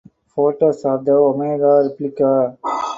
Photos of the Omega replica